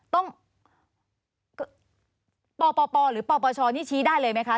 ต้องปปหรือปปชนี่ชี้ได้เลยไหมคะ